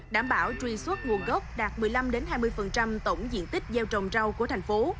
đảm bảo truy xuất nguồn gốc đạt một mươi năm hai mươi tổng diện tích gieo trồng rau của thành phố